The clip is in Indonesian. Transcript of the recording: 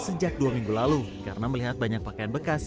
sejak dua minggu lalu karena melihat banyak pakaian bekas